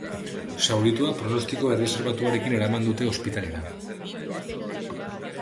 Zauritua pronostiko erreserbatuarekin eraman dute ospitalera.